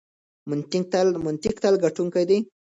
منطق تل ګټونکی دی.